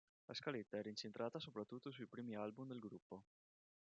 La scaletta era incentrata soprattutto sui primi album del gruppo.